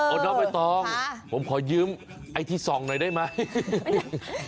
น้องใบตองผมขอยืมไอ้ที่ส่องหน่อยได้ไหม